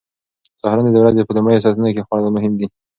سهارنۍ د ورځې په لومړیو ساعتونو کې خوړل مهم دي.